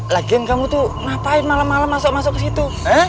lagian kamu tuh ngapain malam malam masuk masuk ke situ